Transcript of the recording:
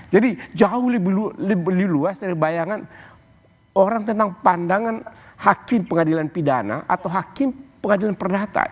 jadi jauh lebih luas dari bayangan orang tentang pandangan hakim pengadilan pidana atau hakim pengadilan perdata